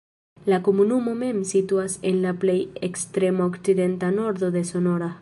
La komunumo mem situas en la plej ekstrema okcidenta nordo de Sonora.